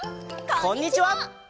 こんにちは！